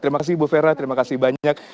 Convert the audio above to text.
terima kasih ibu fera terima kasih banyak